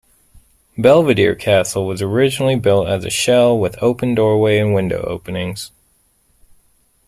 Belvedere Castle was originally built as a shell with open doorway and window openings.